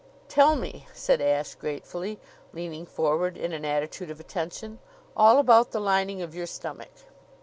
"Tell me," said Ashe gratefully, leaning forward in an attitude of attention, "all about the lining of your stomach."